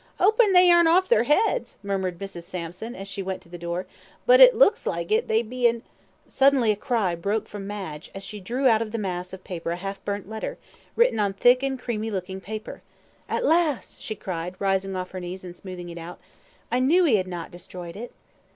"'Opin they ain't orf their 'eads," murmured Mrs. Sampson, as she went to the door, "but it looks like it, they bein' " Suddenly a cry broke from Madge, as she drew out of the mass of paper a half burnt letter, written on thick and creamy looking paper. "At last," she cried, rising off her knees, and smoothing it out; "I knew he had not destroyed it."